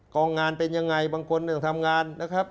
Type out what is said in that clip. กองงานเป็นยังไงบางคนทำงานนะครับ